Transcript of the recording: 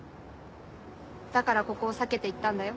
だからここを避けて行ったんだよ。